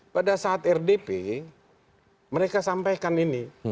pada saat rdp mereka sampaikan ini